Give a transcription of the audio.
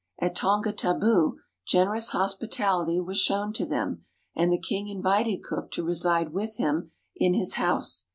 At Tongataboo generous hospitality was shown to them, and the king invited Cook to reside with him in his house.